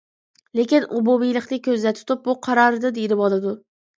لېكىن ئومۇمىيلىقنى كۆزدە تۇتۇپ، بۇ قارارىدىن يېنىۋالىدۇ.